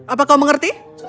apa kau mengerti